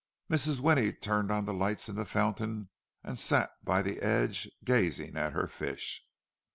Mrs. Winnie turned on the lights in the fountain, and sat by the edge, gazing at her fish.